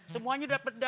semuanya udah pedas